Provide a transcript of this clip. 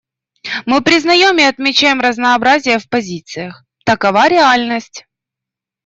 Мы признаем и отмечаем разнообразие в позициях: такова реальность.